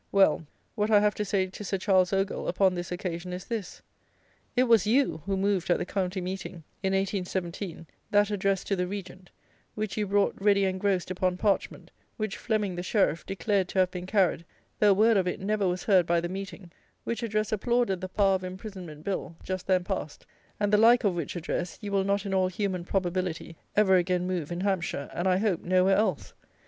Well, what I have to say to Sir Charles Ogle upon this occasion is this: "It was you, who moved at the county meeting, in 1817, that Address to the Regent, which you brought ready engrossed upon parchment, which Fleming, the Sheriff, declared to have been carried, though a word of it never was heard by the meeting; which address applauded the power of imprisonment bill, just then passed; and the like of which address, you will not in all human probability, ever again move in Hampshire, and, I hope, nowhere else.